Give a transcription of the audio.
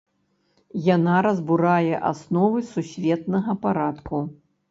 Яна разбурае асновы сусветнага парадку.